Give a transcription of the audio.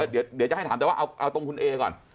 เดี๋ยวจะให้ถามแต่ว่าเอาตรงคุณเอก่อน